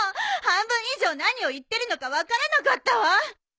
半分以上何を言ってるのか分からなかったわ！